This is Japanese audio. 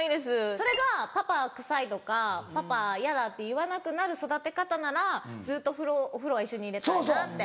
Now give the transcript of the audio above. それが「パパ臭い」とか「パパ嫌だ」って言わなくなる育て方ならずっとお風呂は一緒に入れたいなって。